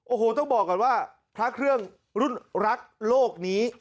โอ้โหต้องบอกก่อนว่าพระเครื่องรุ่นรักโลกนี้